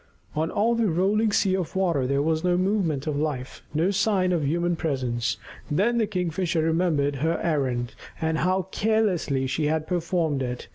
On all the rolling sea of water there was no movement of life, no sign of any human presence. Then the Kingfisher remembered her errand, and how carelessly she had performed it.